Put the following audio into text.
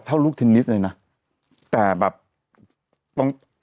เราก็มีความหวังอะ